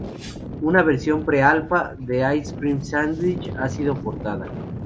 Una versión pre-alpha de "Ice Cream Sandwich" ha sido portada.